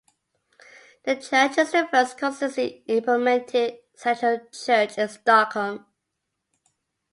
The church is the first consistently implemented central church in Stockholm.